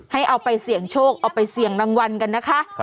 เอาไปเสี่ยงโชคเอาไปเสี่ยงรางวัลกันนะคะ